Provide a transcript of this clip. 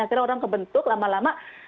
akhirnya orang kebentuk lama lama